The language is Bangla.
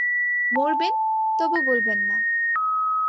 মরবেন, তবু বলবেন না।